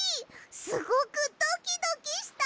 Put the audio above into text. すごくドキドキした！